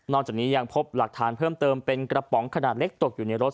จากนี้ยังพบหลักฐานเพิ่มเติมเป็นกระป๋องขนาดเล็กตกอยู่ในรถ